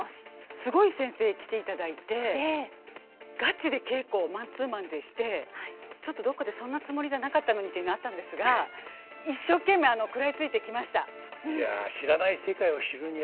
すごい先生来ていただいてガチで稽古をマンツーマンでしてちょっとどっかで「そんなつもりじゃなかったのに」というのあったんですが一生懸命食らいついてきました。